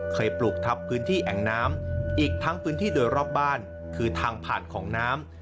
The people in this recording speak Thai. ปลูกทับพื้นที่แอ่งน้ำอีกทั้งพื้นที่โดยรอบบ้านคือทางผ่านของน้ำ